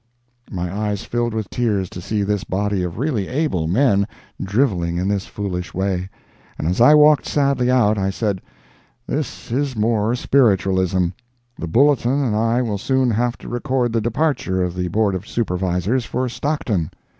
My eyes filled with tears to see this body of really able men driveling in this foolish way, and as I walked sadly out, I said "This is more spiritualism; the Bulletin and I will soon have to record the departure of the Board of Supervisors for Stockton.